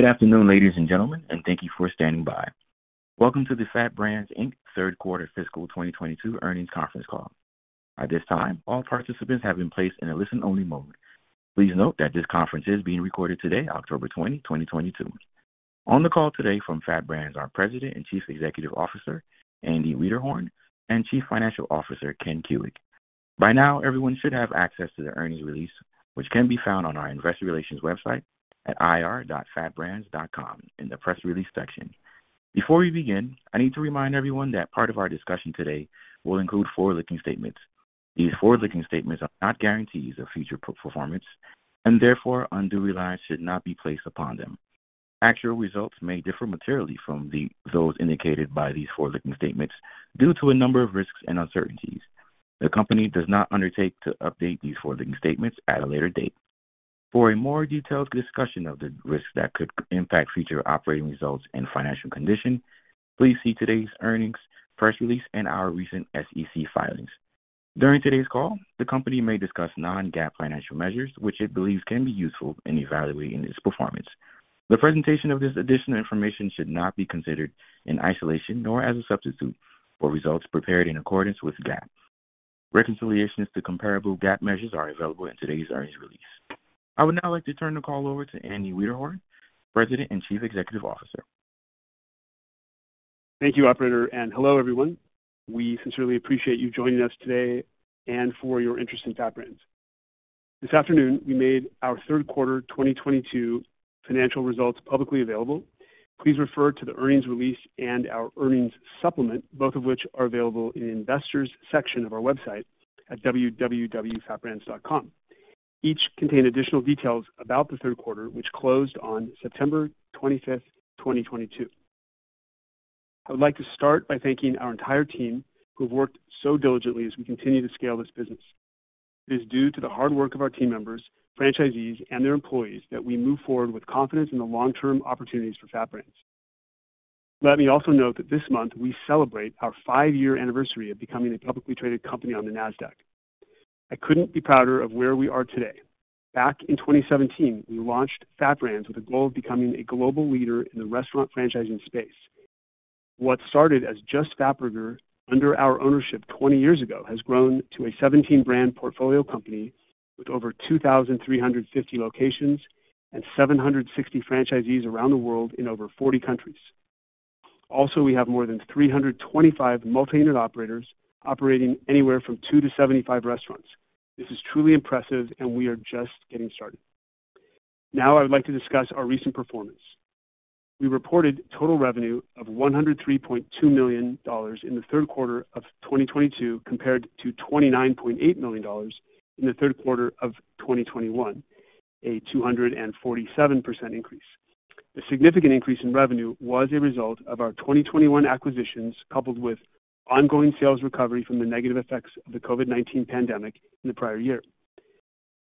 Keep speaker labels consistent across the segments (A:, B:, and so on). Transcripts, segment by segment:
A: Good afternoon, ladies and gentlemen, and thank you for standing by. Welcome to the FAT Brands Inc. Third Quarter Fiscal 2022 Earnings Conference call. At this time, all participants have been placed in a listen-only mode. Please note that this conference is being recorded today, October 20, 2022. On the call today from FAT Brands are President and Chief Executive Officer Andy Wiederhorn and Chief Financial Officer Ken Kuick. By now, everyone should have access to the earnings release, which can be found on our investor relations website at ir.fatbrands.com in the press release section. Before we begin, I need to remind everyone that part of our discussion today will include forward-looking statements. These forward-looking statements are not guarantees of future performance and therefore undue reliance should not be placed upon them. Actual results may differ materially from those indicated by these forward-looking statements due to a number of risks and uncertainties. The company does not undertake to update these forward-looking statements at a later date. For a more detailed discussion of the risks that could impact future operating results and financial condition, please see today's earnings press release and our recent SEC filings. During today's call, the company may discuss non-GAAP financial measures, which it believes can be useful in evaluating its performance. The presentation of this additional information should not be considered in isolation, nor as a substitute for results prepared in accordance with GAAP. Reconciliations to comparable GAAP measures are available in today's earnings release. I would now like to turn the call over to Andy Wiederhorn, President and Chief Executive Officer.
B: Thank you, operator, and hello, everyone. We sincerely appreciate you joining us today and for your interest in FAT Brands. This afternoon, we made our third quarter 2022 financial results publicly available. Please refer to the earnings release and our earnings supplement, both of which are available in the investors section of our website at www.fatbrands.com. Each contain additional details about the third quarter, which closed on September 25, 2022. I would like to start by thanking our entire team who've worked so diligently as we continue to scale this business. It is due to the hard work of our team members, franchisees, and their employees that we move forward with confidence in the long-term opportunities for FAT Brands. Let me also note that this month we celebrate our five-year anniversary of becoming a publicly traded company on the Nasdaq. I couldn't be prouder of where we are today. Back in 2017, we launched FAT Brands with a goal of becoming a global leader in the restaurant franchising space. What started as just Fatburger under our ownership 20 years ago has grown to a 17-brand portfolio company with over 2,350 locations and 760 franchisees around the world in over 40 countries. Also, we have more than 325 multi-unit operators operating anywhere from two to 75 restaurants. This is truly impressive, and we are just getting started. Now, I would like to discuss our recent performance. We reported total revenue of $103.2 million in the third quarter of 2022 compared to $29.8 million in the third quarter of 2021, a 247% increase. The significant increase in revenue was a result of our 2021 acquisitions, coupled with ongoing sales recovery from the negative effects of the COVID-19 pandemic in the prior year.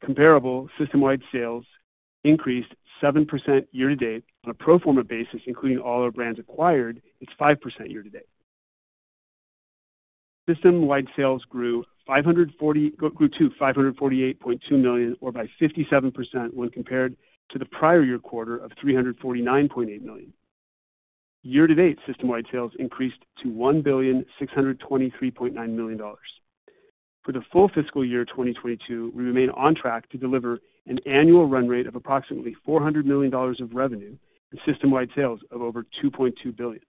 B: Comparable system-wide sales increased 7% year-to-date on a pro forma basis, including all our brands acquired, it's 5% year-to-date. System-wide sales grew to $548.2 million or by 57% when compared to the prior year quarter of $349.8 million. Year-to-date, system-wide sales increased to $1,623.9 million. For the full fiscal year 2022, we remain on track to deliver an annual run rate of approximately $400 million of revenue and system-wide sales of over $2.2 billion.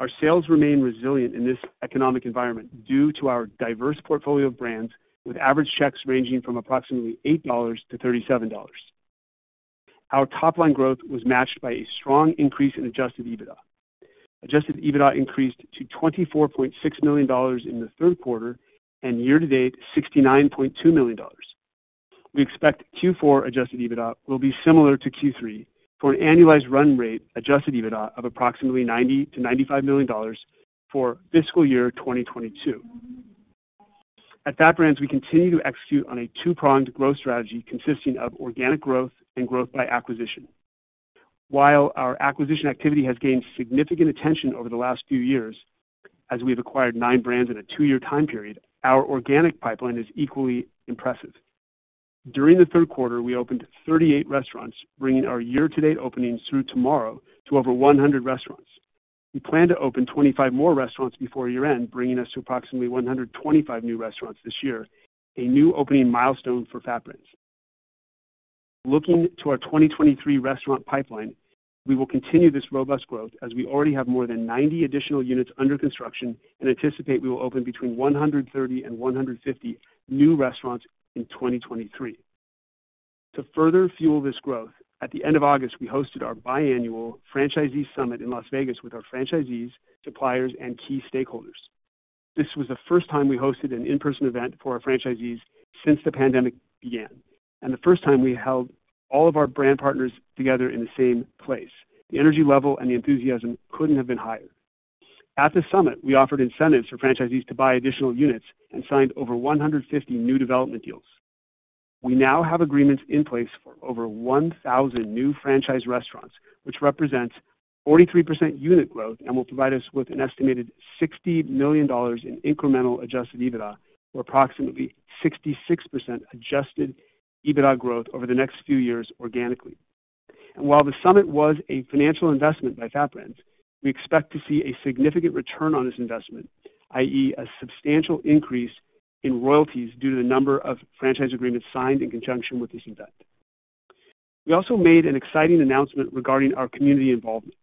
B: Our sales remain resilient in this economic environment due to our diverse portfolio of brands with average checks ranging from approximately $8 to $37. Our top-line growth was matched by a strong increase in Adjusted EBITDA. Adjusted EBITDA increased to $24.6 million in the third quarter and year-to-date, $69.2 million. We expect Q4 Adjusted EBITDA will be similar to Q3 for an annualized run rate Adjusted EBITDA of approximately $90 million-$95 million for fiscal year 2022. At FAT Brands, we continue to execute on a two-pronged growth strategy consisting of organic growth and growth by acquisition. While our acquisition activity has gained significant attention over the last few years, as we've acquired nine brands in a two-year time period, our organic pipeline is equally impressive. During the third quarter, we opened 38 restaurants, bringing our year-to-date openings through tomorrow to over 100 restaurants. We plan to open 25 more restaurants before year-end, bringing us to approximately 125 new restaurants this year, a new opening milestone for FAT Brands. Looking to our 2023 restaurant pipeline, we will continue this robust growth as we already have more than 90 additional units under construction and anticipate we will open between 130 and 150 new restaurants in 2023. To further fuel this growth, at the end of August, we hosted our biannual franchisee summit in Las Vegas with our franchisees, suppliers, and key stakeholders. This was the first time we hosted an in-person event for our franchisees since the pandemic began, and the first time we held all of our brand partners together in the same place. The energy level and the enthusiasm couldn't have been higher. At the summit, we offered incentives for franchisees to buy additional units and signed over 150 new development deals. We now have agreements in place for over 1,000 new franchise restaurants, which represents 43% unit growth and will provide us with an estimated $60 million in incremental Adjusted EBITDA, or approximately 66% Adjusted EBITDA growth over the next few years organically. While the summit was a financial investment by FAT Brands, we expect to see a significant return on this investment, i.e., a substantial increase in royalties due to the number of franchise agreements signed in conjunction with this event. We also made an exciting announcement regarding our community involvement.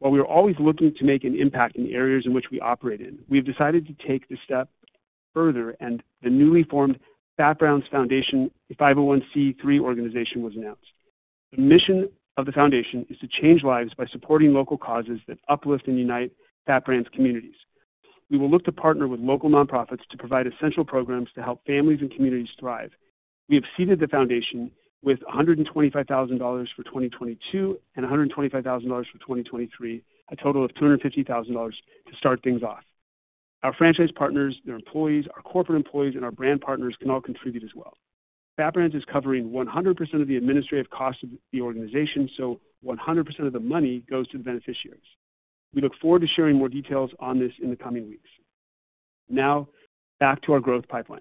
B: While we are always looking to make an impact in the areas in which we operate in, we have decided to take the step further and the newly formed FAT Brands Foundation, a 501(c)(3) organization, was announced. The mission of the foundation is to change lives by supporting local causes that uplift and unite FAT Brands communities. We will look to partner with local nonprofits to provide essential programs to help families and communities thrive. We have seeded the foundation with $125,000 for 2022 and $125,000 for 2023, a total of $250,000 to start things off. Our franchise partners, their employees, our corporate employees, and our brand partners can all contribute as well. FAT Brands is covering 100% of the administrative costs of the organization, so 100% of the money goes to the beneficiaries. We look forward to sharing more details on this in the coming weeks. Now back to our growth pipeline.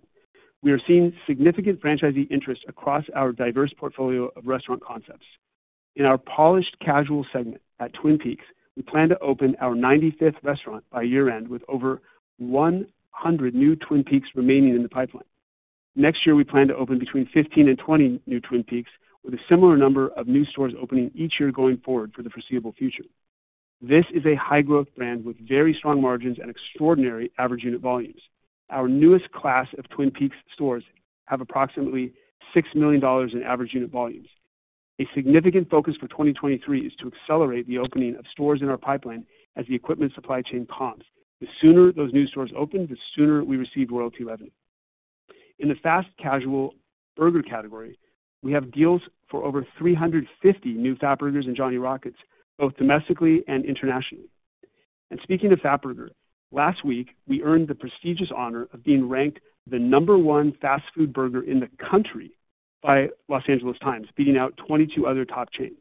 B: We are seeing significant franchisee interest across our diverse portfolio of restaurant concepts. In our polished casual segment at Twin Peaks, we plan to open our ninety-fifth restaurant by year-end, with over 100 new Twin Peaks remaining in the pipeline. Next year, we plan to open between 15 and 20 new Twin Peaks, with a similar number of new stores opening each year going forward for the foreseeable future. This is a high growth brand with very strong margins and extraordinary average unit volumes. Our newest class of Twin Peaks stores have approximately $6 million in average unit volumes. A significant focus for 2023 is to accelerate the opening of stores in our pipeline as the equipment supply chain calms. The sooner those new stores open, the sooner we receive royalty revenue. In the fast casual burger category, we have deals for over 350 new Fatburgers and Johnny Rockets, both domestically and internationally. Speaking of Fatburger, last week we earned the prestigious honor of being ranked the number one fast food burger in the country by Los Angeles Times, beating out 22 other top chains.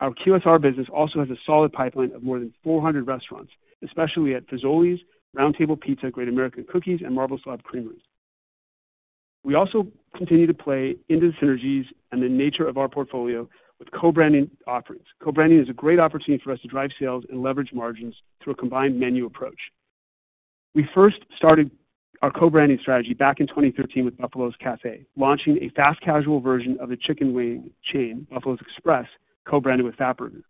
B: Our QSR business also has a solid pipeline of more than 400 restaurants, especially at Fazoli's, Round Table Pizza, Great American Cookies, and Marble Slab Creamery. We also continue to play into the synergies and the nature of our portfolio with co-branding offerings. Co-branding is a great opportunity for us to drive sales and leverage margins through a combined menu approach. We first started our co-branding strategy back in 2013 with Buffalo's Cafe, launching a fast casual version of the chicken wing chain, Buffalo's Express, co-branded with Fatburger.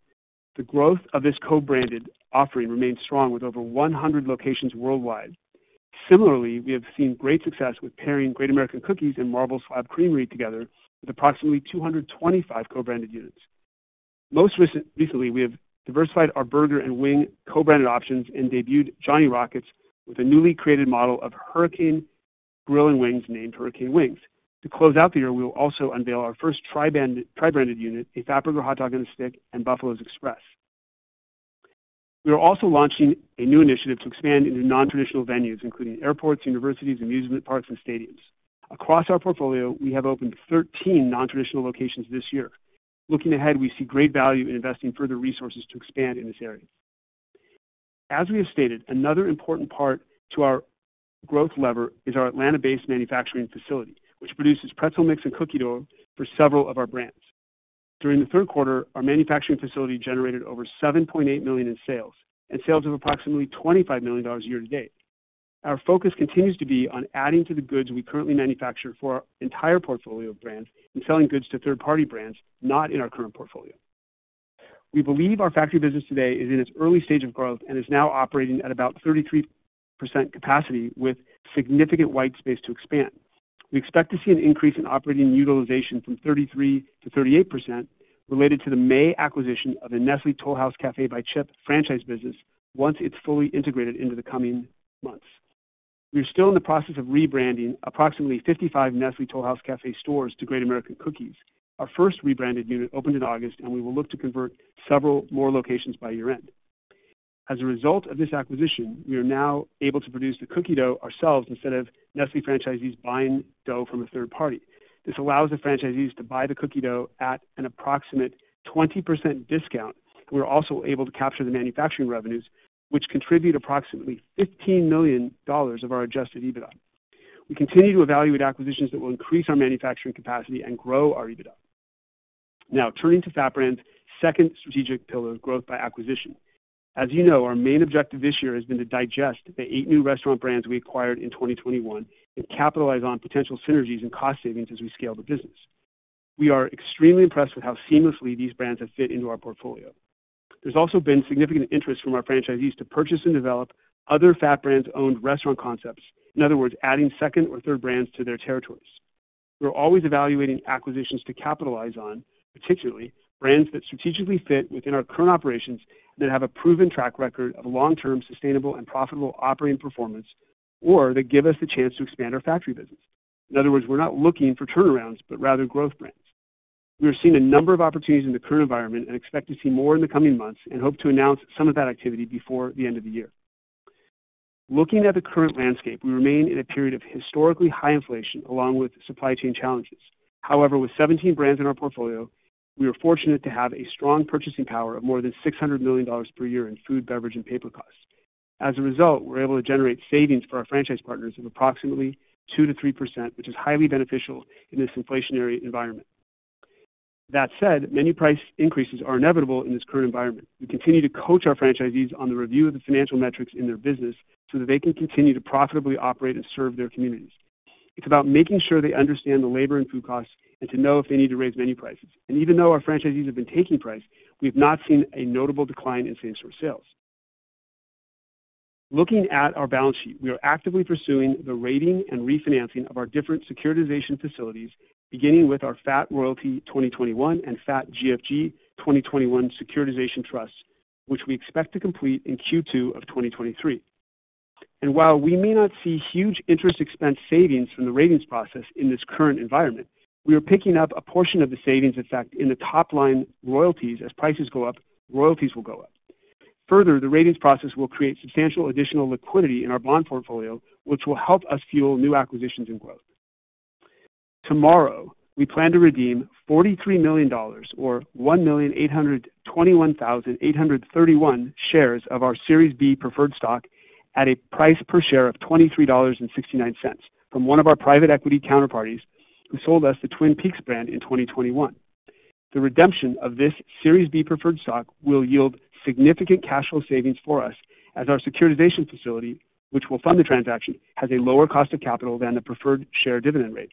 B: The growth of this co-branded offering remains strong with over 100 locations worldwide. Similarly, we have seen great success with pairing Great American Cookies and Marble Slab Creamery together with approximately 225 co-branded units. Most recently, we have diversified our burger and wing co-branded options and debuted Johnny Rockets with a newly created model of Hurricane Grill & Wings named Hurricane Wings. To close out the year, we will also unveil our first tri-branded unit, a Fatburger Hot Dog on a Stick, and Buffalo's Express. We are also launching a new initiative to expand into non-traditional venues, including airports, universities, amusement parks, and stadiums. Across our portfolio, we have opened 13 non-traditional locations this year. Looking ahead, we see great value in investing further resources to expand in this area. As we have stated, another important part to our growth lever is our Atlanta-based manufacturing facility, which produces pretzel mix and cookie dough for several of our brands. During the third quarter, our manufacturing facility generated over $7.8 million in sales and sales of approximately $25 million year-to-date. Our focus continues to be on adding to the goods we currently manufacture for our entire portfolio of brands and selling goods to third-party brands not in our current portfolio. We believe our factory business today is in its early stage of growth and is now operating at about 33% capacity with significant white space to expand. We expect to see an increase in operating utilization from 33%-38% related to the May acquisition of the Nestlé Toll House Café by Chip franchise business once it's fully integrated into the coming months. We are still in the process of rebranding approximately 55 Nestlé Toll House Café stores to Great American Cookies. Our first rebranded unit opened in August, and we will look to convert several more locations by year-end. As a result of this acquisition, we are now able to produce the cookie dough ourselves instead of Nestlé franchisees buying dough from a third party. This allows the franchisees to buy the cookie dough at an approximate 20% discount, and we're also able to capture the manufacturing revenues, which contribute approximately $15 million of our Adjusted EBITDA. We continue to evaluate acquisitions that will increase our manufacturing capacity and grow our EBITDA. Now turning to FAT Brand's second strategic pillar, growth by acquisition. As you know, our main objective this year has been to digest the eight new restaurant brands we acquired in 2021 and capitalize on potential synergies and cost savings as we scale the business. We are extremely impressed with how seamlessly these brands have fit into our portfolio. There's also been significant interest from our franchisees to purchase and develop other FAT Brands-owned restaurant concepts, in other words, adding second or third brands to their territories. We are always evaluating acquisitions to capitalize on, particularly brands that strategically fit within our current operations and that have a proven track record of long-term sustainable and profitable operating performance. They give us the chance to expand our franchise business. In other words, we're not looking for turnarounds, but rather growth brands. We are seeing a number of opportunities in the current environment and expect to see more in the coming months and hope to announce some of that activity before the end of the year. Looking at the current landscape, we remain in a period of historically high inflation along with supply chain challenges. However, with 17 brands in our portfolio, we are fortunate to have a strong purchasing power of more than $600 million per year in food, beverage, and paper costs. As a result, we're able to generate savings for our franchise partners of approximately 2%-3%, which is highly beneficial in this inflationary environment. That said, many price increases are inevitable in this current environment. We continue to coach our franchisees on the review of the financial metrics in their business so that they can continue to profitably operate and serve their communities. It's about making sure they understand the labor and food costs and to know if they need to raise menu prices. Even though our franchisees have been taking price, we've not seen a notable decline in same-store sales. Looking at our balance sheet, we are actively pursuing the rating and refinancing of our different securitization facilities, beginning with our FAT Royalty 2021 and FAT GFG 2021 securitization trust, which we expect to complete in Q2 of 2023. While we may not see huge interest expense savings from the ratings process in this current environment, we are picking up a portion of the savings effect in the top line royalties. As prices go up, royalties will go up. Further, the ratings process will create substantial additional liquidity in our bond portfolio, which will help us fuel new acquisitions and growth. Tomorrow, we plan to redeem $43 million or 1,821,831 shares of our Series B Preferred Stock at a price per share of $23.69 from one of our private equity counterparties who sold us the Twin Peaks brand in 2021. The redemption of this Series B Preferred Stock will yield significant cash flow savings for us as our securitization facility, which will fund the transaction, has a lower cost of capital than the preferred share dividend rate.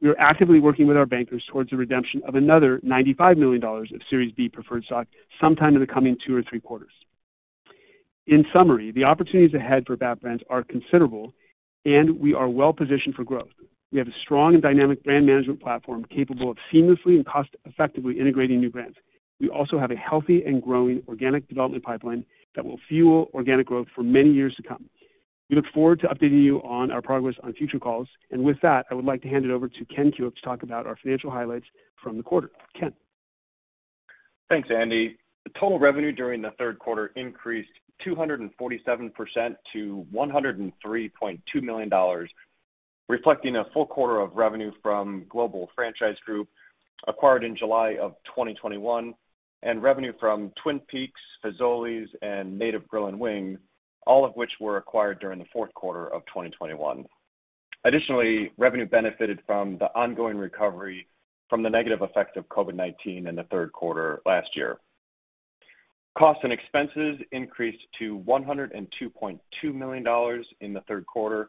B: We are actively working with our bankers towards the redemption of another $95 million of Series B Preferred Stock sometime in the coming two or three quarters. In summary, the opportunities ahead for FAT Brands are considerable, and we are well positioned for growth. We have a strong and dynamic brand management platform capable of seamlessly and cost-effectively integrating new brands. We also have a healthy and growing organic development pipeline that will fuel organic growth for many years to come. We look forward to updating you on our progress on future calls, and with that, I would like to hand it over to Ken Kuick to talk about our financial highlights from the quarter. Ken.
C: Thanks, Andy. The total revenue during the third quarter increased 247% to $103.2 million, reflecting a full quarter of revenue from Global Franchise Group acquired in July of 2021, and revenue from Twin Peaks, Fazoli's, and Native Grill & Wings, all of which were acquired during the fourth quarter of 2021. Additionally, revenue benefited from the ongoing recovery from the negative effect of COVID-19 in the third quarter last year. Costs and expenses increased to $102.2 million in the third quarter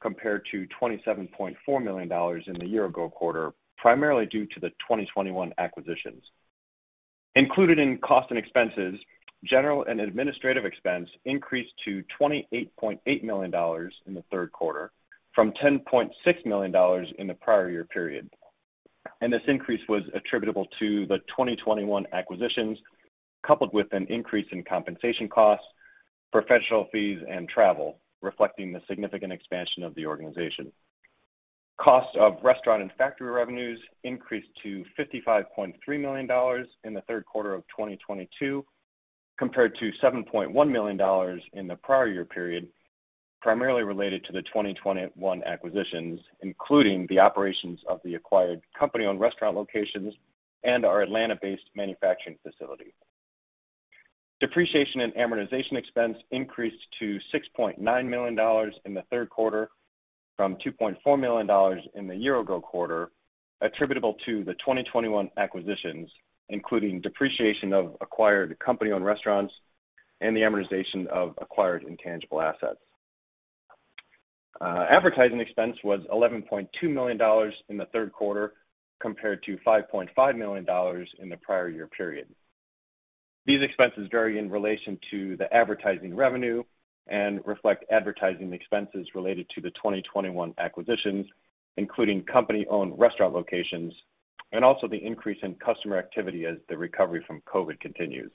C: compared to $27.4 million in the year ago quarter, primarily due to the 2021 acquisitions. Included in cost and expenses, general and administrative expense increased to $28.8 million in the third quarter from $10.6 million in the prior year period. This increase was attributable to the 2021 acquisitions, coupled with an increase in compensation costs, professional fees, and travel, reflecting the significant expansion of the organization. Cost of restaurant and factory revenues increased to $55.3 million in the third quarter of 2022 compared to $7.1 million in the prior year period, primarily related to the 2021 acquisitions, including the operations of the acquired company-owned restaurant locations and our Atlanta-based manufacturing facility. Depreciation and amortization expense increased to $6.9 million in the third quarter from $2.4 million in the year ago quarter, attributable to the 2021 acquisitions, including depreciation of acquired company-owned restaurants and the amortization of acquired intangible assets. Advertising expense was $11.2 million in the third quarter compared to $5.5 million in the prior year period. These expenses vary in relation to the advertising revenue and reflect advertising expenses related to the 2021 acquisitions, including company-owned restaurant locations and also the increase in customer activity as the recovery from COVID continues.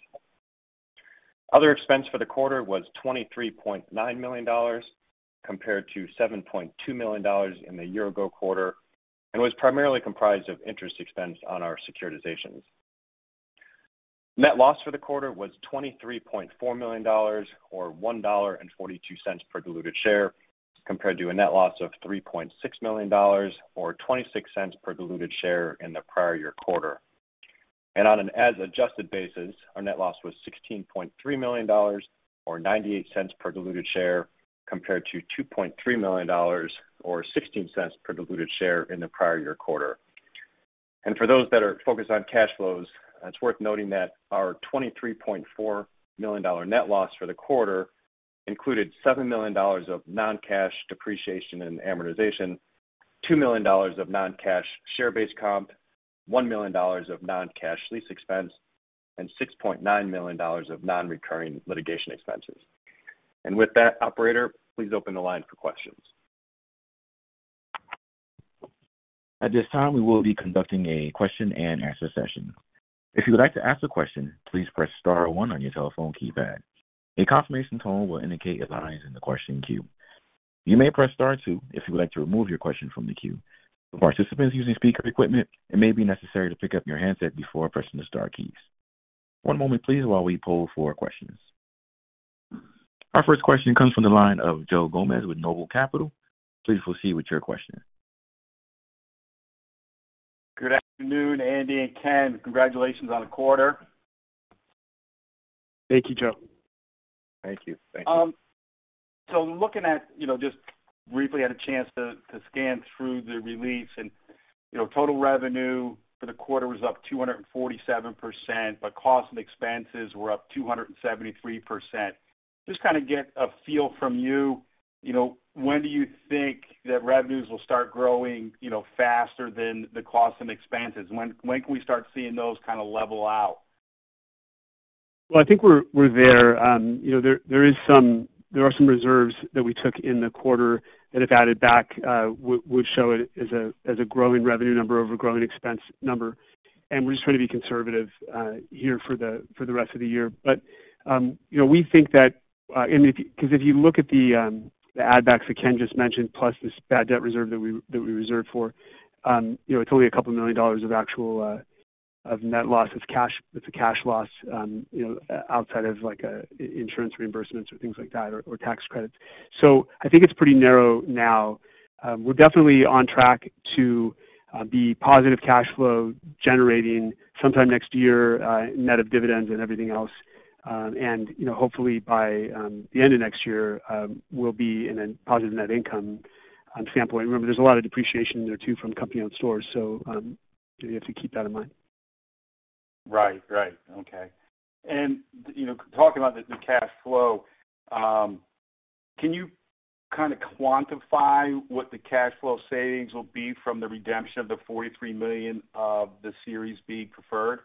C: Other expense for the quarter was $23.9 million compared to $7.2 million in the year ago quarter and was primarily comprised of interest expense on our securitizations. Net loss for the quarter was $23.4 million or $1.42 per diluted share compared to a net loss of $3.6 million or $0.26 per diluted share in the prior year quarter. On an as adjusted basis, our net loss was $16.3 million or $0.98 per diluted share compared to $2.3 million or $0.16 per diluted share in the prior year quarter. For those that are focused on cash flows, it's worth noting that our $23.4 million net loss for the quarter included $7 million of non-cash depreciation and amortization, $2 million of non-cash share-based comp, $1 million of non-cash lease expense, and $6.9 million of non-recurring litigation expenses. With that, operator, please open the line for questions.
A: At this time, we will be conducting a question-and-answer session. If you would like to ask a question, please press star one on your telephone keypad. A confirmation tone will indicate your line is in the question queue. You may press star two if you would like to remove your question from the queue. For participants using speaker equipment, it may be necessary to pick up your handset before pressing the star keys. One moment please, while we poll for questions. Our first question comes from the line of Joe Gomes with Noble Capital Markets. Please proceed with your question.
D: Good afternoon, Andy and Ken. Congratulations on the quarter.
B: Thank you, Joe.
C: Thank you.
D: Looking at, you know, just briefly had a chance to scan through the release and, you know, total revenue for the quarter was up 247%, but cost and expenses were up 273%. Just kinda get a feel from you know, when do you think that revenues will start growing, you know, faster than the cost and expenses? When can we start seeing those kinda level out?
B: Well, I think we're there. You know, there are some reserves that we took in the quarter that if added back would show it as a growing revenue number over growing expense number. We're just trying to be conservative here for the rest of the year. You know, we think that 'cause if you look at the add backs that Ken just mentioned, plus this bad debt reserve that we reserved for, you know, it's only $2 million of actual net loss. It's cash, it's a cash loss, you know, outside of like insurance reimbursements or things like that or tax credits. I think it's pretty narrow now. We're definitely on track to be positive cash flow generating sometime next year, net of dividends and everything else. You know, hopefully by the end of next year, we'll be in a positive net income on sampling. Remember, there's a lot of depreciation there too from company-owned stores, so you have to keep that in mind.
D: You know, talking about the cash flow, can you kinda quantify what the cash flow savings will be from the redemption of the $43 million of the Series B preferred?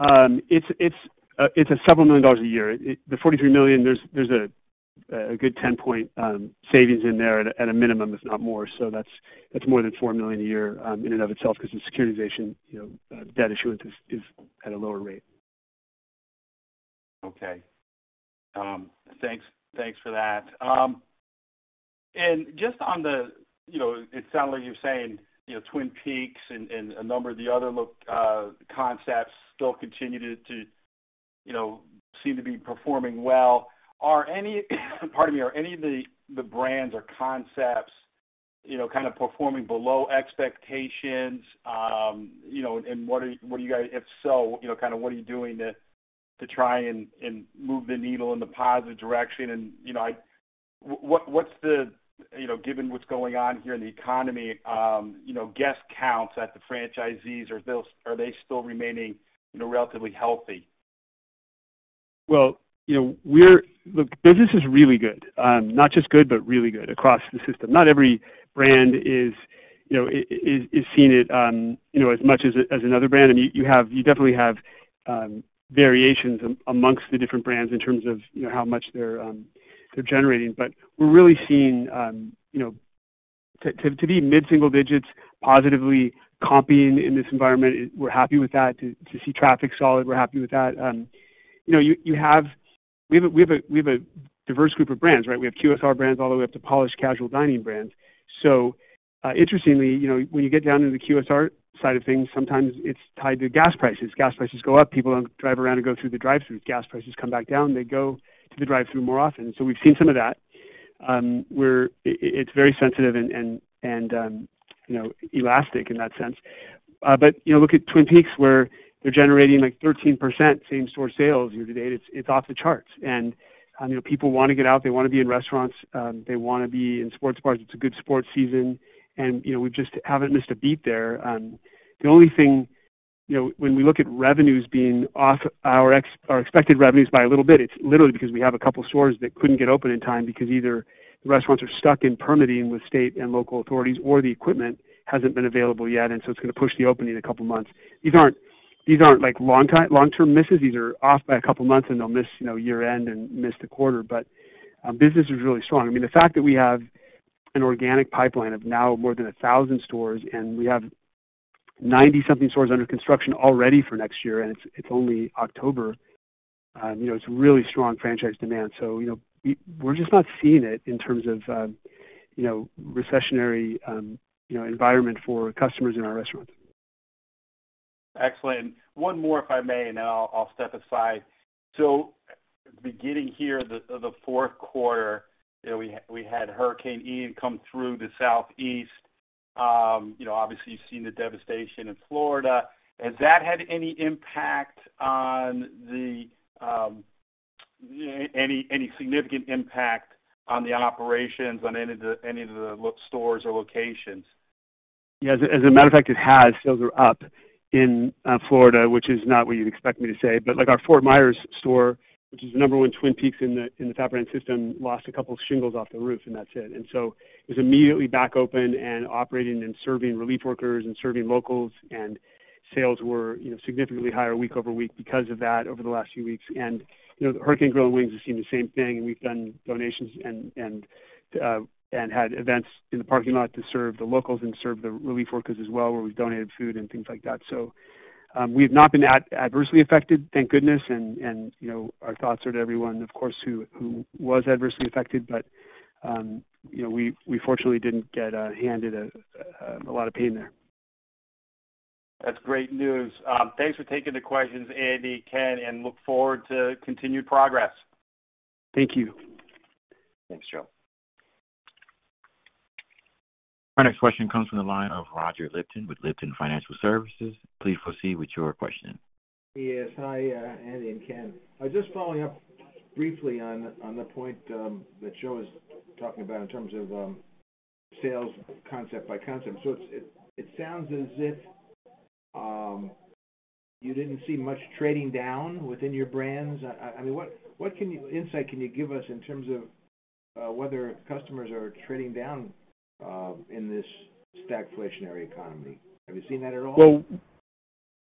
B: It's several million dollars a year. The $43 million, there's a good 10-point savings in there at a minimum, if not more. That's more than $4 million a year in and of itself because the securitization, you know, debt issuance is at a lower rate.
D: Okay. Thanks for that. Just on the, you know, it sounds like you're saying, you know, Twin Peaks and a number of the other concepts still continue to, you know, seem to be performing well. Are any, pardon me. Are any of the brands or concepts, you know, kind of performing below expectations? You know, and what are you guys. If so, you know, kinda what are you doing to try and move the needle in the positive direction? What’s the, you know, given what’s going on here in the economy, you know, guest counts at the franchisees, are those— are they still remaining, you know, relatively healthy?
B: Well, you know, Look, business is really good. Not just good, but really good across the system. Not every brand is, you know, seeing it, you know, as much as another brand. I mean, you definitely have variations amongst the different brands in terms of, you know, how much they're generating. We're really seeing to be mid-single digits, positively comping in this environment. We're happy with that. To see traffic solid, we're happy with that. You have We have a diverse group of brands, right? We have QSR brands all the way up to polished casual dining brands. Interestingly, you know, when you get down to the QSR side of things, sometimes it's tied to gas prices. Gas prices go up, people don't drive around and go through the drive-thru. Gas prices come back down, they go to the drive-thru more often. We've seen some of that. It's very sensitive and elastic in that sense. But you know, look at Twin Peaks, where they're generating, like, 13% same store sales year-to-date. It's off the charts. People wanna get out, they wanna be in restaurants, they wanna be in sports bars. It's a good sports season. You know, we just haven't missed a beat there. The only thing, you know, when we look at revenues being off our expected revenues by a little bit, it's literally because we have a couple of stores that couldn't get open in time because either the restaurants are stuck in permitting with state and local authorities, or the equipment hasn't been available yet, and so it's gonna push the opening a couple months. These aren't like long-term misses. These are off by a couple of months, and they'll miss, you know, year-end and miss the quarter. Business is really strong. I mean, the fact that we have an organic pipeline of now more than 1,000 stores, and we have 90-something stores under construction already for next year, and it's only October, you know, it's really strong franchise demand. You know, we're just not seeing it in terms of, you know, recessionary, you know, environment for customers in our restaurants.
D: Excellent. One more, if I may, and then I'll step aside. Beginning here, the fourth quarter, you know, we had Hurricane Ian come through the Southeast. You know, obviously, you've seen the devastation in Florida. Has that had any significant impact on the operations on any of the stores or locations?
B: Yeah. As a matter of fact, it has. Sales are up in Florida, which is not what you'd expect me to say. Like our Fort Myers store, which is the number one Twin Peaks in the top brand system, lost a couple of shingles off the roof, and that's it. It was immediately back open and operating and serving relief workers and serving locals. Sales were, you know, significantly higher week over week because of that over the last few weeks. You know, the Hurricane Grill & Wings has seen the same thing. We've done donations and had events in the parking lot to serve the locals and serve the relief workers as well, where we've donated food and things like that. We've not been adversely affected, thank goodness, and, you know, our thoughts are to everyone, of course, who was adversely affected. But you know, we fortunately didn't get handed a lot of pain there.
D: That's great news. Thanks for taking the questions, Andy, Ken, and look forward to continued progress.
B: Thank you.
C: Thanks, Joe.
A: Our next question comes from the line of Roger Lipton with Lipton Financial Services. Please proceed with your question.
E: Yes. Hi, Andy and Ken. I was just following up briefly on the point that Joe was talking about in terms of sales concept by concept. It sounds as if you didn't see much trading down within your brands. I mean, what insight can you give us in terms of whether customers are trading down in this stagflationary economy? Have you seen that at all?
B: Well,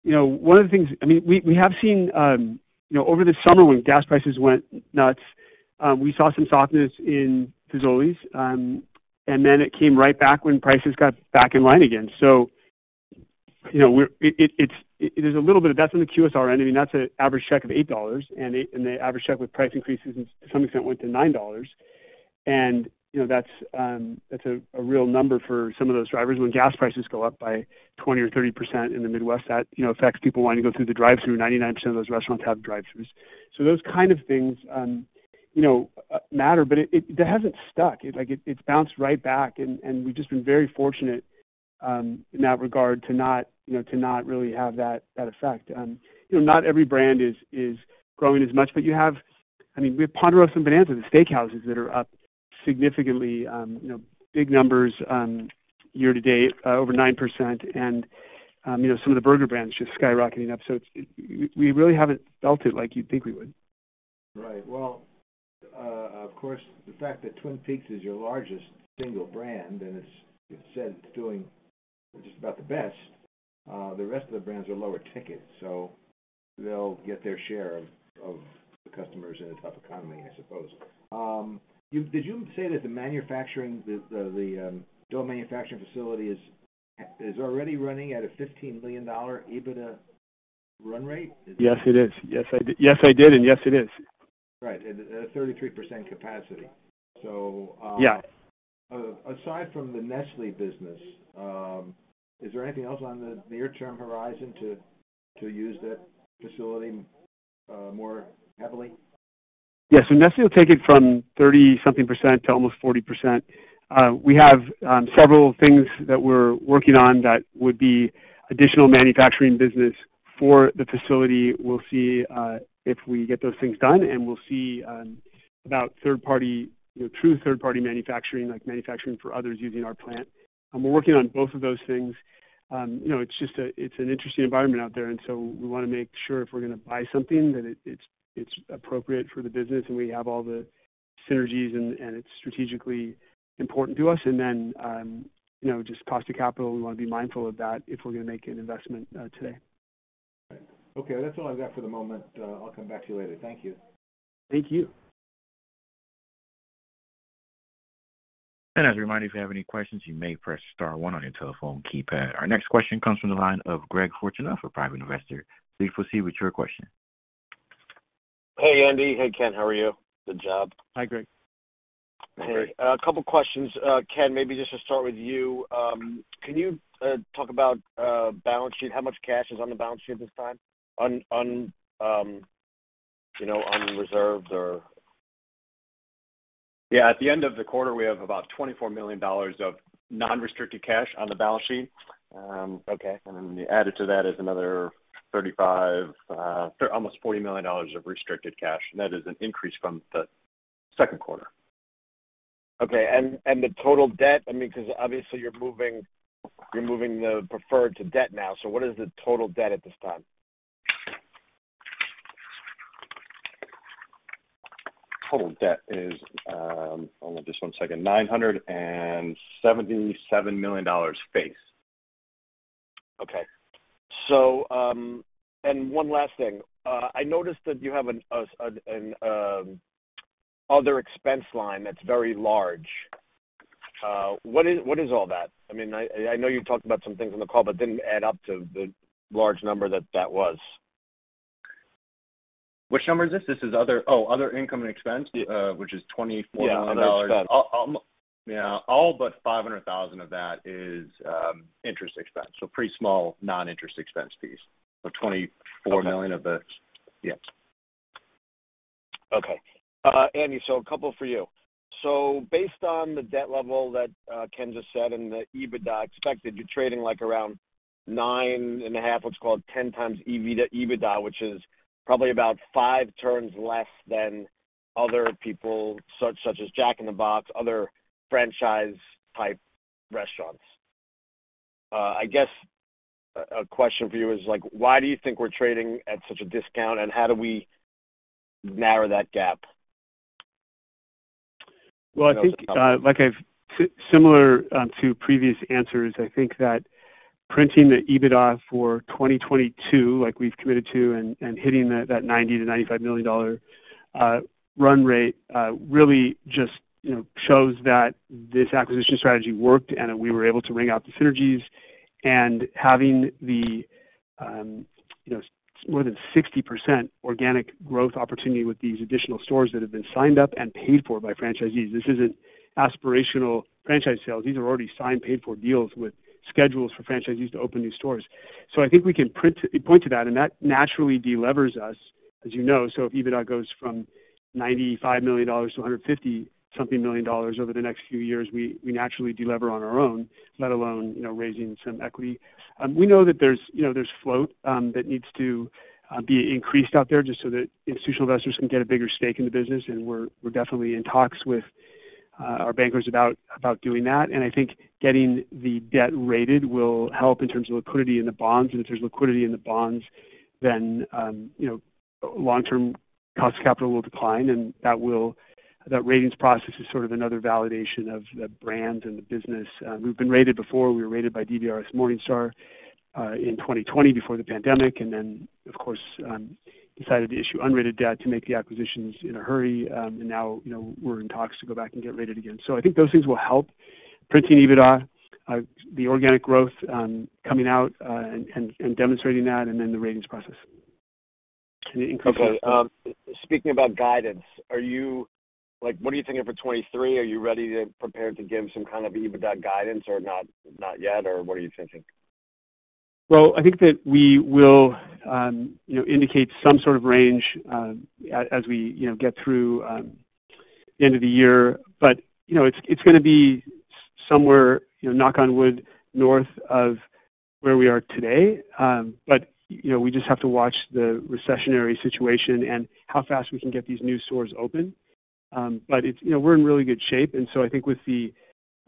B: you know, one of the things. I mean, we have seen, you know, over the summer when gas prices went nuts, we saw some softness in Fazoli's, and then it came right back when prices got back in line again. You know, it is a little bit. That's on the QSR end. I mean, that's an average check of $8 and the average check with price increases to some extent went to $9 and, you know, that's a real number for some of those drivers. When gas prices go up by 20% or 30% in the Midwest, that, you know, affects people wanting to go through the drive-through. 99% of those restaurants have drive-throughs. Those kind of things, you know, matter, but that hasn't stuck. It's bounced right back and we've just been very fortunate in that regard to not, you know, to not really have that effect. You know, not every brand is growing as much, but I mean, we have Ponderosa and Bonanza, the steakhouses that are up significantly, you know, big numbers, year-to-date, over 9% and, you know, some of the burger brands just skyrocketing up. It's we really haven't felt it like you'd think we would.
E: Right. Well, of course, the fact that Twin Peaks is your largest single brand and it's said it's doing just about the best, the rest of the brands are lower ticket, so they'll get their share of the customers in a tough economy, I suppose. Did you say that the dough manufacturing facility is already running at a $15 million EBITDA run rate?
B: Yes, it is. Yes, I did. Yes, I did, and yes, it is.
E: Right. At a 33% capacity, so
B: Yeah.
E: Aside from the Nestlé business, is there anything else on the near term horizon to use that facility more heavily?
B: Yes. Nestlé will take it from 30-something% to almost 40%. We have several things that we're working on that would be additional manufacturing business for the facility. We'll see if we get those things done, and we'll see about third party, you know, true third party manufacturing like manufacturing for others using our plant. We're working on both of those things. You know, it's an interesting environment out there, and we wanna make sure if we're gonna buy something that it's appropriate for the business and we have all the synergies and it's strategically important to us. You know, just cost of capital, we wanna be mindful of that if we're gonna make an investment today.
E: Okay. That's all I've got for the moment. I'll come back to you later. Thank you.
B: Thank you.
A: As a reminder, if you have any questions, you may press star one on your telephone keypad. Our next question comes from the line of Greg Fortner, a private investor. Please proceed with your question.
F: Hey, Andy. Hey, Ken. How are you? Good job.
B: Hi, Greg.
C: Hey.
F: Great. A couple questions. Ken, maybe just to start with you. Can you talk about balance sheet? How much cash is on the balance sheet this time on reserves or?
C: Yeah. At the end of the quarter, we have about $24 million of non-restricted cash on the balance sheet.
F: Okay.
C: Added to that is another $35 million, almost $40 million of restricted cash. That is an increase from the second quarter.
F: The total debt, I mean, 'cause obviously you're moving the preferred to debt now, so what is the total debt at this time?
C: Total debt is, Hold on just one second. $977 million face.
F: One last thing, I noticed that you have other expense line that's very large. What is all that? I mean, I know you talked about some things on the call but didn't add up to the large number that was.
C: Which number is this? This is other income and expense.
F: Yeah.
C: Which is $24 million.
F: Yeah, that's the.
C: Al- al- mo-
F: Yeah.
C: All but $500,000 of that is interest expense. Pretty small non-interest expense fees. $24 million of the-Yes.
F: Okay. Andy, so a couple for you. Based on the debt level that Ken just said and the EBITDA expected, you're trading like around 9.5, what's called 10 times EBITDA which is probably about five turns less than other people such as Jack in the Box, other franchise type restaurants. I guess a question for you is like, why do you think we're trading at such a discount, and how do we narrow that gap?
B: Well, I think, like similar to previous answers, I think that printing the EBITDA for 2022 like we've committed to and hitting that $90 million-$95 million run rate really just shows that this acquisition strategy worked and that we were able to wring out the synergies. Having more than 60% organic growth opportunity with these additional stores that have been signed up and paid for by franchisees. This isn't aspirational franchise sales. These are already signed, paid for deals with schedules for franchisees to open new stores. I think we can point to that, and that naturally de-levers us, as you know. If EBITDA goes from $95 million to $150-something million over the next few years, we naturally de-lever on our own, let alone raising some equity. We know that there's float that needs to be increased out there just so that institutional investors can get a bigger stake in the business. We're definitely in talks with our bankers about doing that. I think getting the debt rated will help in terms of liquidity in the bonds. If there's liquidity in the bonds, long-term cost of capital will decline, and that will. That ratings process is sort of another validation of the brand and the business. We've been rated before. We were rated by DBRS Morningstar in 2020 before the pandemic, and then of course decided to issue unrated debt to make the acquisitions in a hurry. Now, you know, we're in talks to go back and get rated again. I think those things will help. Printing EBITDA, the organic growth coming out, and demonstrating that, and then the ratings process and increasing.
F: Okay. Speaking about guidance, are you like what are you thinking for 2023? Are you ready to prepare to give some kind of EBITDA guidance or not yet, or what are you thinking?
B: Well, I think that we will, you know, indicate some sort of range, as we, you know, get through the end of the year. You know, it's gonna be somewhere, you know, knock on wood, north of where we are today. You know, we just have to watch the recessionary situation and how fast we can get these new stores open. It's, you know, we're in really good shape, and so I think with the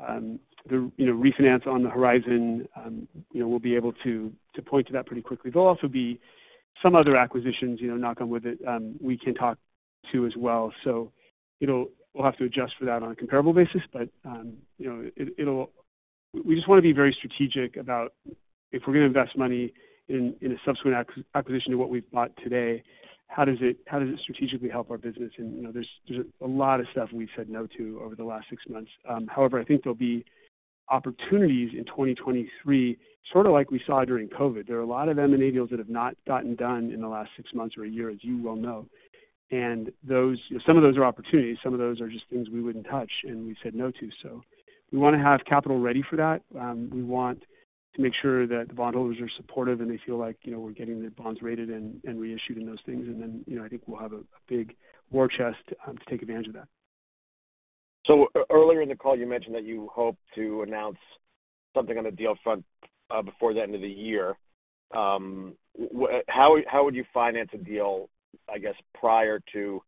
B: refinance on the horizon, you know, we'll be able to point to that pretty quickly. There'll also be some other acquisitions, you know, knock on wood, that we can talk to as well. You know, we'll have to adjust for that on a comparable basis. You know, it'll. We just wanna be very strategic about if we're gonna invest money in a subsequent acquisition to what we've bought today, how does it strategically help our business? You know, there's a lot of stuff we've said no to over the last six months. However, I think there'll be opportunities in 2023, sort of like we saw during COVID. There are a lot of M&A deals that have not gotten done in the last six months or a year, as you well know. Some of those are opportunities. Some of those are just things we wouldn't touch and we've said no to. We wanna have capital ready for that. We want to make sure that the bondholders are supportive and they feel like, you know, we're getting the bonds rated and reissued and those things. You know, I think we'll have a big war chest to take advantage of that.
F: Earlier in the call you mentioned that you hope to announce something on the deal front before the end of the year. Well, how would you finance a deal, I guess, prior to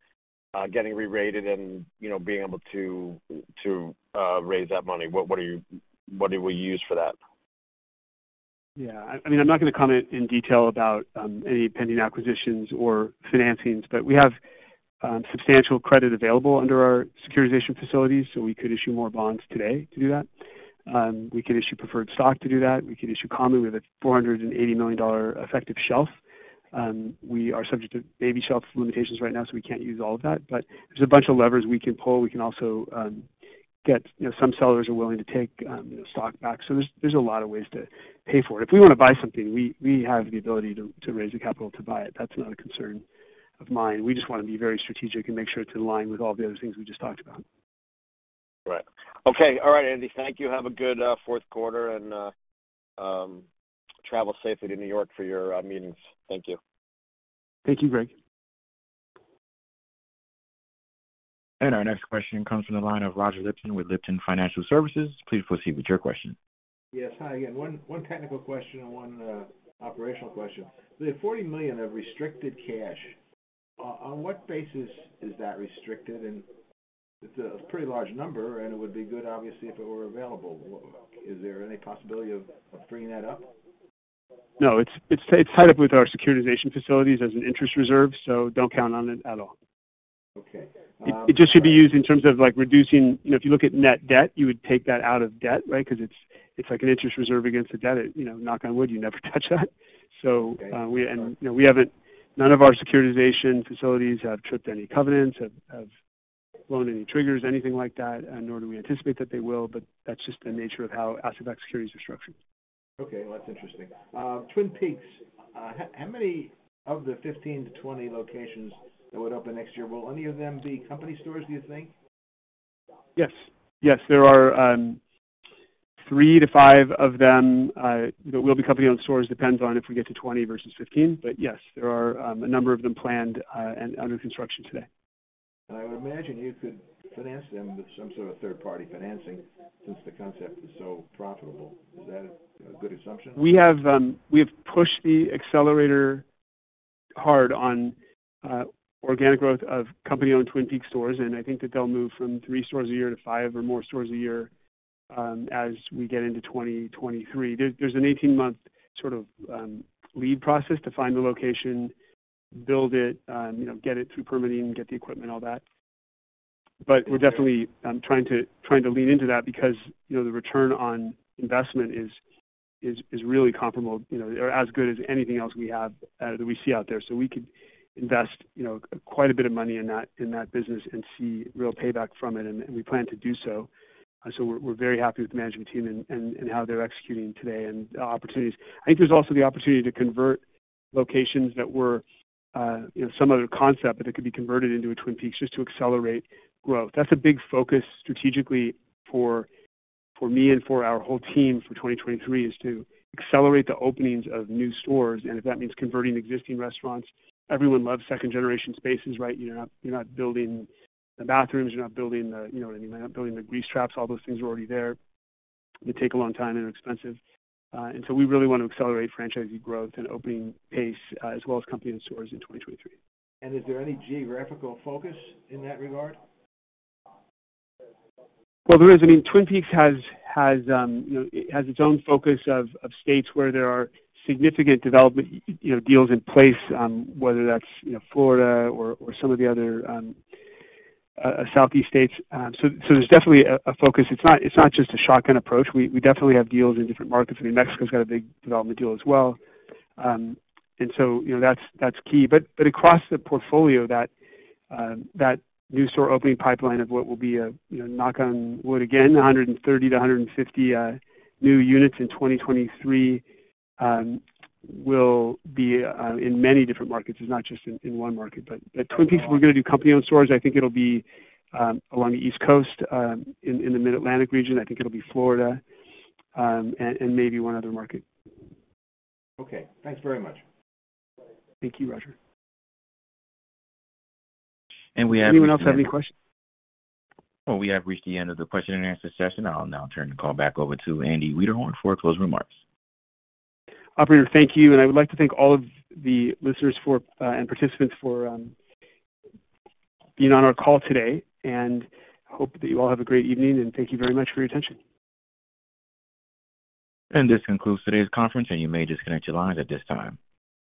F: getting re-rated and, you know, being able to raise that money? What do we use for that?
B: Yeah. I mean, I'm not gonna comment in detail about any pending acquisitions or financings, but we have substantial credit available under our securitization facilities, so we could issue more bonds today to do that. We could issue preferred stock to do that. We could issue common. We have a $480 million effective shelf. We are subject to baby shelf limitations right now, so we can't use all of that. There's a bunch of levers we can pull. We can also. You know, some sellers are willing to take you know, stock back. There's a lot of ways to pay for it. If we wanna buy something, we have the ability to raise the capital to buy it. That's not a concern of mine. We just wanna be very strategic and make sure it's in line with all the other things we just talked about.
F: Right. Okay. All right. Andy, thank you. Have a good fourth quarter and travel safely to New York for your meetings. Thank you.
B: Thank you, Greg.
A: Our next question comes from the line of Roger Lipton with Lipton Financial Services. Please proceed with your question.
E: Yes. Hi again. One technical question and one operational question. The $40 million of restricted cash, on what basis is that restricted? It's a pretty large number, and it would be good, obviously, if it were available. Is there any possibility of freeing that up?
B: No, it's tied up with our securitization facilities as an interest reserve, so don't count on it at all.
E: Okay.
B: It just should be used in terms of, like, reducing. You know, if you look at net debt, you would take that out of debt, right? Because it's like an interest reserve against the debt. It, you know, knock on wood, you never touch that.
E: Okay.
B: you know, none of our securitization facilities have tripped any covenants, have blown any triggers, anything like that, nor do we anticipate that they will, but that's just the nature of how asset-backed securities are structured.
E: Okay. Well, that's interesting. Twin Peaks, how many of the 15-20 locations that would open next year, will any of them be company stores, do you think?
B: Yes. Yes, there are three-five of them that will be company-owned stores. Depends on if we get to 20 versus 15. Yes, there are a number of them planned and under construction today.
E: I would imagine you could finance them with some sort of third-party financing since the concept is so profitable. Is that a good assumption?
B: We have pushed the accelerator hard on organic growth of company-owned Twin Peaks stores, and I think that they'll move from three stores a year to five or more stores a year as we get into 2023. There's an 18-month sort of lead process to find the location, build it, you know, get it through permitting, get the equipment, all that. We're definitely trying to lean into that because, you know, the return on investment is really comparable, you know, or as good as anything else we have that we see out there. We could invest, you know, quite a bit of money in that business and see real payback from it. We plan to do so. We're very happy with the management team and how they're executing today and the opportunities. I think there's also the opportunity to convert locations that were some other concept that could be converted into a Twin Peaks just to accelerate growth. That's a big focus strategically for me and for our whole team for 2023, is to accelerate the openings of new stores, and if that means converting existing restaurants. Everyone loves second-generation spaces, right? You're not building the bathrooms, you're not building the grease traps. All those things are already there. They take a long time and are expensive. We really wanna accelerate franchisee growth and opening pace, as well as company-owned stores in 2023.
E: Is there any geographical focus in that regard?
B: Well, there is. I mean, Twin Peaks has its own focus of states where there are significant development, you know, deals in place, whether that's, you know, Florida or some of the other Southeast states. So, there's definitely a focus. It's not just a shotgun approach. We definitely have deals in different markets. I mean, Mexico's got a big development deal as well. You know, that's key. Across the portfolio, that new store opening pipeline of what will be, you know, knock on wood again, 130-150 new units in 2023 will be in many different markets. It's not just in one market. At Twin Peaks, we're gonna do company-owned stores. I think it'll be along the East Coast, in the Mid-Atlantic region. I think it'll be Florida, and maybe one other market.
E: Okay. Thanks very much.
B: Thank you, Roger.
A: And we have reached the end of-
B: Anyone else have any questions?
A: Well, we have reached the end of the question-and-answer session. I'll now turn the call back over to Andy Wiederhorn for closing remarks.
B: Operator, thank you, and I would like to thank all of the listeners for and participants for being on our call today and hope that you all have a great evening, and thank you very much for your attention.
A: This concludes today's conference, and you may disconnect your lines at this time.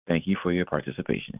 A: Thank you for your participation.